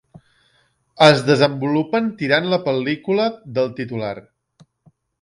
Es desenvolupen tirant la pel·lícula del titular.